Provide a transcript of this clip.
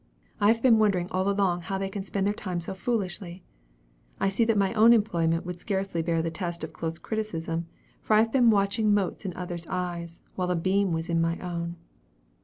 I have been wondering all along how they can spend their time so foolishly. I see that my own employment would scarcely bear the test of close criticism, for I have been watching motes in others' eyes, while a beam was in my own.